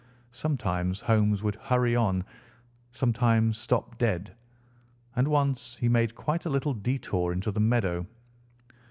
Sometimes Holmes would hurry on, sometimes stop dead, and once he made quite a little detour into the meadow.